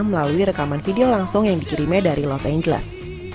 melalui rekaman video langsung yang dikirimnya dari los angeles